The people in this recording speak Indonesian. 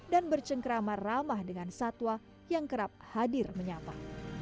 dan bercengkrama ramah dengan satwa yang kerap hadir menyapa